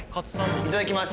いただきます。